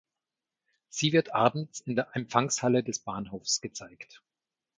Sie wird abends in der Empfangshalle des Bahnhofs gezeigt.